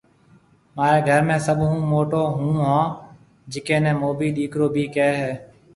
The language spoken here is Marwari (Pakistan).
مهاري گهر ۾ سڀ هون موٽو هون هون جيڪنَي موڀي ڏيڪرو بهيَ ڪهيَ هيَ